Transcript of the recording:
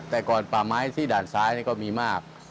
แต่ก่อนป่าไม้ที่ด่านซ้ายก็มีมาก